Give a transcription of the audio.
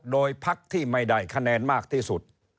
โดยพักที่ไม่ได้คะแนนมากที่สุด